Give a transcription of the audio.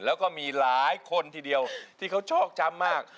แล้วก็มีหลายคนทีเดียวที่เขาชอบช้ำมาก